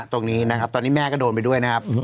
ตรงนี้นะครับตอนนี้แม่ก็โดนไปด้วยนะครับ